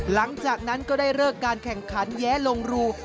หลังจากนั้นก็ได้เลิกการแข่งขันแย้ลงรู